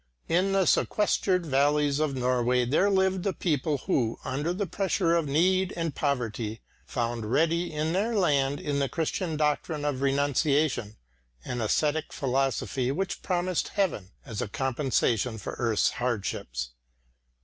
In the sequestered valleys of Norway there lived a people who, under the pressure of need and poverty, found ready to their hand in the Christian doctrine of renunciation an ascetic philosophy which promised heaven as a compensation for earth's hardships.